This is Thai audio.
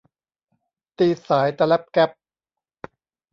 ตีสายตะแล็ปแก็ป